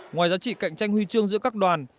ngoài giá trị cạnh tranh huy chương giữa các đoàn